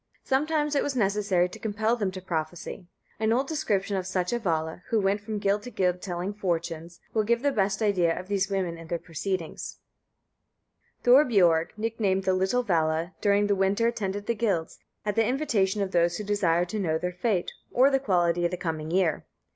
Sometimes it was necessary to compel them to prophesy. An old description of such a Vala, who went from guild to guild telling fortunes, will give the best idea of these women and their proceedings": "Thorbiorg, nicknamed the little Vala, during the winter attended the guilds, at the invitation of those who desired to know their fate, or the quality of the coming year.